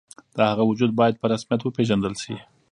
د هغه وجود باید په رسمیت وپېژندل شي.